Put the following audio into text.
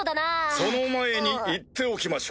その前に言っておきましょう。